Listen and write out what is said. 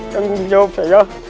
tanggung jawab saya